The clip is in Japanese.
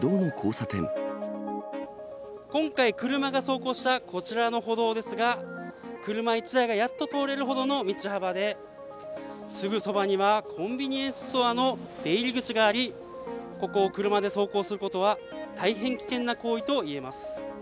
今回、車が走行したこちらの歩道ですが、車１台がやっと通れるほどの道幅で、すぐそばにはコンビニエンスストアの出入り口があり、ここを車で走行することは、大変危険な行為といえます。